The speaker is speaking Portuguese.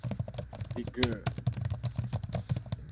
De gr